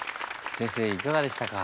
先生いかがでしたか？